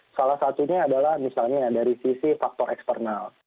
salah satunya adalah misalnya dari sisi faktor eksternal